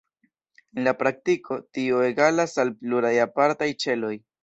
En la praktiko, tio egalas al pluraj apartaj ĉeloj.